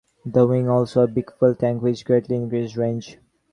The wing was also a big fuel tank which greatly increased range.